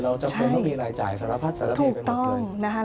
จำเป็นต้องมีรายจ่ายสารพัดสารมีไปหมดเลย